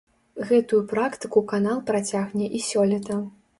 Гэтую практыку канал працягне і сёлета.